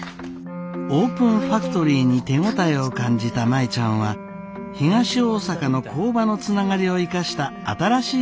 オープンファクトリーに手応えを感じた舞ちゃんは東大阪の工場のつながりを生かした新しい試みを始めました。